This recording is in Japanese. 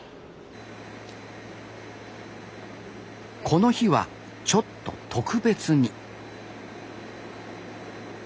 この日はちょっと特別に。